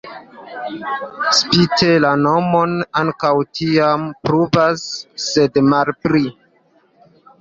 Spite la nomon ankaŭ tiam pluvas, sed malpli.